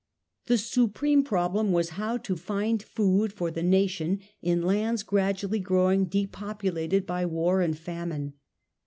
The supreme problem was how to find food for the nation in lands gradually growing depopulated by war and famine.